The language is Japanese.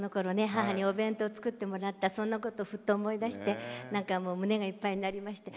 母にお弁当、作ってもらったそんなことを、ふと思い出して胸がいっぱいになりました。